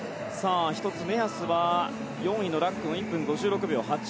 １つ、目安は４位のラックの１分５６秒８０。